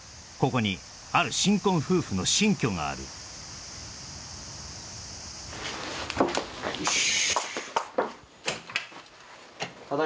ここにある新婚夫婦の新居があるよしよっ